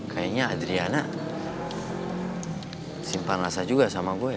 kayaknya adriana simpang rasa juga sama gue